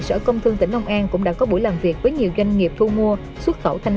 sở công thương tỉnh long an cũng đã có buổi làm việc với nhiều doanh nghiệp thu mua xuất khẩu thanh